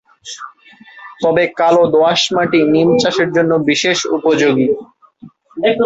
তবে কালো দোআঁশ মাটি নিম চাষের জন্য বিশেষ উপযোগী।